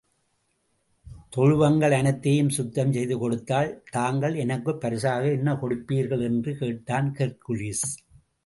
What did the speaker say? தொழுவங்கள் அனைத்தையும் சுத்தம் செய்து கொடுத்தால், தாங்கள் எனக்குப் பரிசாக என்ன கொடுப்பீர்கள் என்று கேட்டான் ஹெர்க்குலிஸ்.